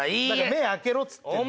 目開けろっつってんの。